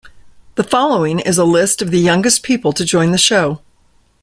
The following is a list of the youngest people to join the show.